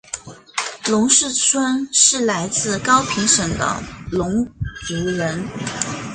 农氏春是来自高平省的侬族人。